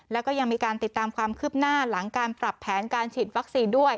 แล้วก็ยังมีการติดตามความคืบหน้าหลังการปรับแผนการฉีดวัคซีนด้วย